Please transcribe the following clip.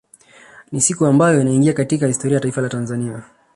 Ni siku ambayo inaingia katika historia ya taifa la Tanzania